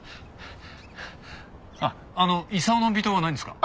あっあのイサオの微糖はないんですか？